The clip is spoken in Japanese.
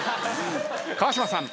川島さん